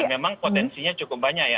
dan memang potensinya cukup banyak ya